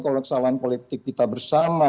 kalau kesalahan politik kita bersama